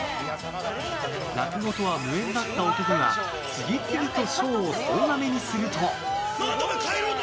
落語とは無縁だった男が次々と賞を総なめにすると。